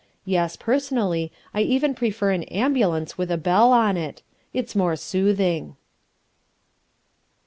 Yes, personally, I even prefer an ambulance with a bell on it. It's more soothing.